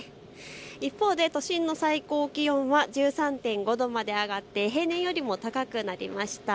一方で都心の最高気温は１３．５度まで上がって平年よりも高くなりました。